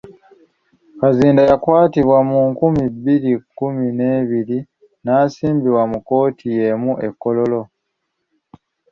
Kazinda yakwatibwa mu nkumi bbiri kumi n'ebiri n'asimbibwa mu kkooti yeemu e Kololo.